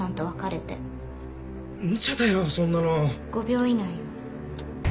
５秒以内よ。